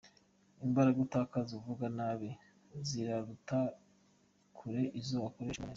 Imbaraga utakaza uvuga nabi ziraruta kure izo wakoresha uvuga neza.